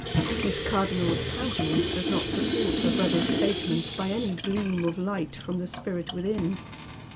Miss Cardonnel's countenance does not support her brother's statement by any gleam of light from the spirit within.